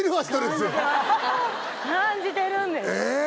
感じてるんです。